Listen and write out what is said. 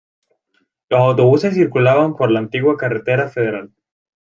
Los autobuses circulaban por la antigua carretera federal.